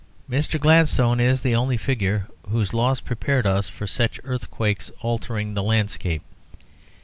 Mr. Gladstone is the only figure whose loss prepared us for such earthquakes altering the landscape.